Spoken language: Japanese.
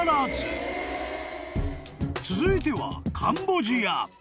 ［続いては］